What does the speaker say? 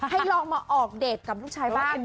ให้ลองมาออกเดทกับลูกชายบ้าง